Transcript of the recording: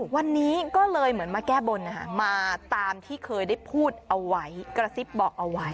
วันนี้ก็เลยเหมือนมาแก้บนมาตามที่เคยได้พูดเอาไว้กระซิบบอกเอาไว้